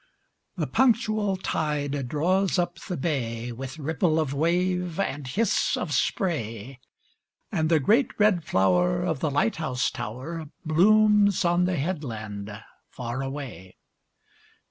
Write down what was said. The punctual tide draws up the bay, With ripple of wave and hiss of spray, And the great red flower of the light house tower Blooms on the headland far away.